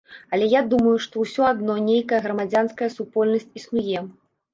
Але я думаю, што ўсё адно нейкая грамадзянская супольнасць існуе.